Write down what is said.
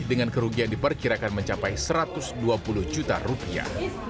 dengan kerugian diperkirakan mencapai satu ratus dua puluh juta rupiah